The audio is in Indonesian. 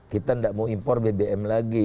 kita tidak mau impor bbm lagi